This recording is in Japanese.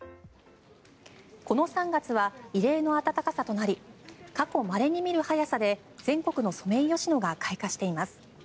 この３月は異例の暖かさとなり過去まれに見る早さで全国のソメイヨシノが開花しています。